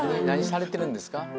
何されてるんですか？